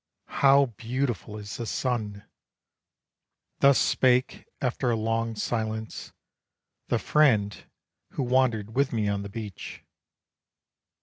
"How beautiful is the sun!" Thus spake after a long silence, the friend Who wandered with me on the beach.